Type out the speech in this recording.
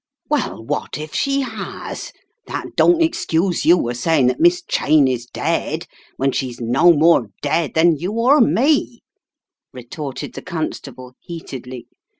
"Well, what if she has? That don't excuse you a saying that Miss Cheyne is dead, when she's no more dead than you or me " retorted the con stable, heatedly.